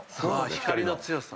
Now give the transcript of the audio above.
光の強さ？